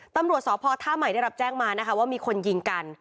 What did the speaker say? ตำรวจสพท่าใหม่ได้รับแจ้งมานะคะว่ามีคนยิงกัน